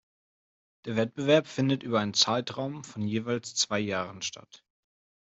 Der Wettbewerb findet über einen Zeitraum von jeweils zwei Jahren statt.